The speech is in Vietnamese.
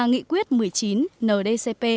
nghị quyết một mươi chín ndcp